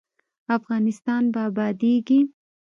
افغانستان به ابادیږي